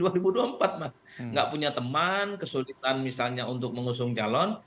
tidak punya teman kesulitan misalnya untuk mengusung calon